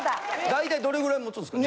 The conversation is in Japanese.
大体どれくらいもつんすか？